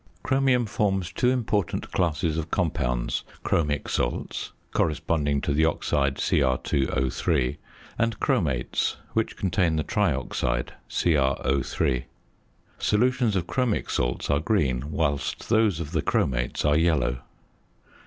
Chromium forms two important classes of compounds chromic salts, corresponding to the oxide Cr_O_, and chromates, which contain the trioxide CrO_. Solutions of chromic salts are green, whilst those of the chromates are yellow.